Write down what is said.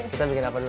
kita bikin apa dulu